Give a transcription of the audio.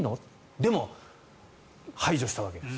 でも、排除したわけです。